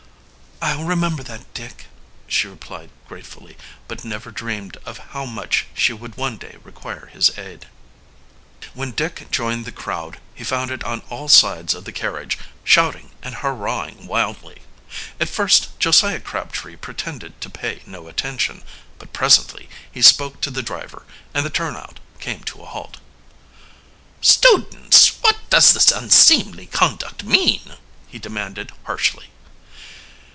"I'll remember that, Dick," she replied gratefully, but never dreamed of how much she would one day require his aid. When Dick joined the crowd he found it on all sides of the carriage, shouting and hurrahing wildly. At first Josiah Crabtree pretended to pay no attention, but presently he spoke to the driver, and the turnout came to a halt. "Students, what does this unseemly conduct mean?" he demanded harshly.